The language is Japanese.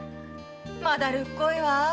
まだるっこいわ。